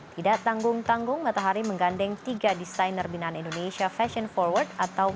tidak tanggung tanggung matahari menggandeng tiga desainer binaan indonesia fashion forward atau